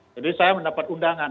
jadi saya mendapat undangan